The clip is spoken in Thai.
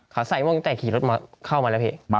เขาใส่ม่วงตั้งแต่ขี่รถเข้ามาแล้วพี่